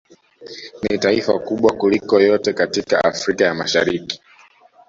Ni taifa kubwa kuliko yote katika Afrika ya mashariki